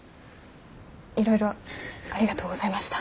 いろいろありがとうございました。